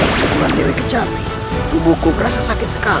akibat ukuran dewi kecapi tubuhku kerasa sakit sekali